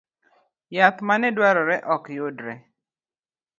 Yath maneduarore okyudre